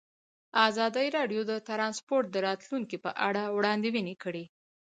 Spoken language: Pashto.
ازادي راډیو د ترانسپورټ د راتلونکې په اړه وړاندوینې کړې.